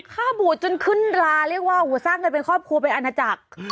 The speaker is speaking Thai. ข้าวบูดจนขึ้นลาเรียกว่าสร้างจนเป็นครอบครัวไปอันจักร